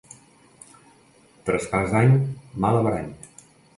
Traspàs d'any, mal averany.